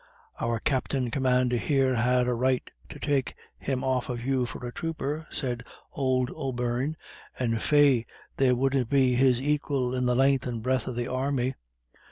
"Our Captin Commandin' here had a right to take him off of you for a throoper," said old O'Beirne, "and, faix, there wouldn't be his aquil in the len'th and breadth of the army.